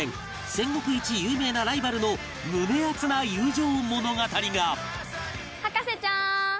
戦国一有名なライバルの胸アツな友情物語が